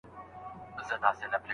هر اړخ به له هغه بل اړخ سره متصل وي.